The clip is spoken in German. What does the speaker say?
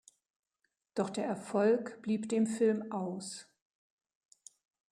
Doch der Erfolg blieb dem Film aus.